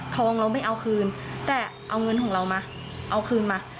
เราไม่เอาคืนแต่เอาเงินของเรามาเอาคืนมา